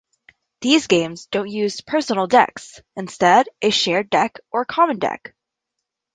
These games don't use personal decks but instead a shared deck or common deck.